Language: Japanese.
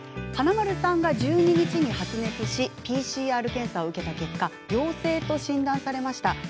華丸さんが１２日に発熱しＰＣＲ検査を受けた結果陽性と診断されました。